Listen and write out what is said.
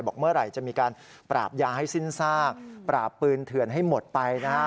เมื่อไหร่จะมีการปราบยาให้สิ้นซากปราบปืนเถื่อนให้หมดไปนะฮะ